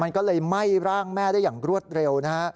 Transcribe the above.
มันก็เลยไหม้ร่างแม่ได้อย่างรวดเร็วนะฮะ